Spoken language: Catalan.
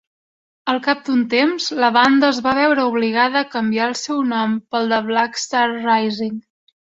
Al cap d'un temps, la banda es va veure obligada a canviar el seu nom pel de Blackstar Rising.